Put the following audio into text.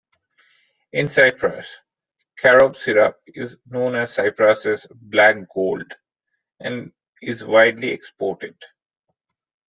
In Cyprus, carob syrup is known as Cyprus's black gold, and is widely exported.